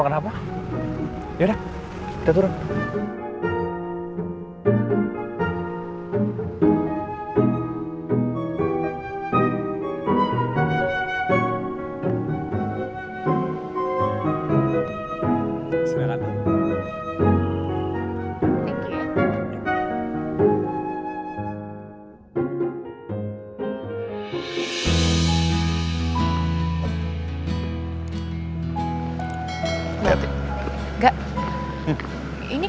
ke titik orang ini